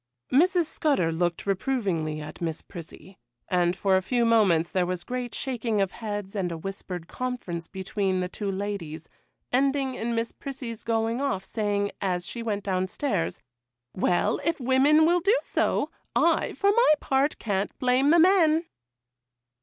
Mrs. Scudder looked reprovingly at Miss Prissy, and for a few moments there was great shaking of heads and a whispered conference between the two ladies, ending in Miss Prissy's going off, saying, as she went down stairs,— 'Well, if women will do so, I, for my part, can't blame the men.